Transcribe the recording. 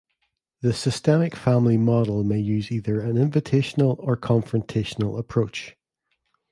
The Systemic Family Model may use either an invitational or confrontational approach.